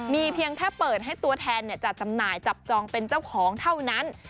มีเพียงแค่เปิดให้ตัวแทนจัดจำหน่ายจับจองเป็นเจ้าของเท่านั้น